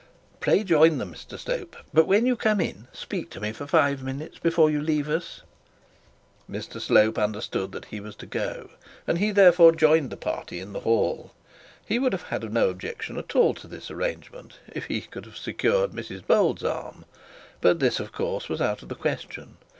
Pray join them, Mr Slope, but when you come in speak to me for five minutes before you leave us.' Mr Slope understood that he was to go, and he therefore joined the party in the hall. He would have had no objection at all to this arrangement, if he could have secured Mrs Bold's arm; but this was of course out of the question.